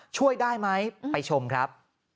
ช่วยได้ไหมไปชมครับ